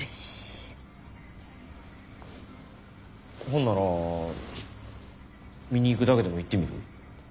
ほんなら見に行くだけでも行ってみる？